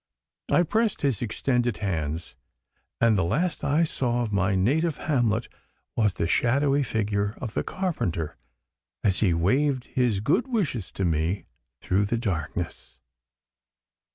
I pressed his extended hands, and the last I saw of my native hamlet was the shadowy figure of the carpenter as he waved his good wishes to me through the darkness.